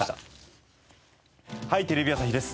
『はい！テレビ朝日です』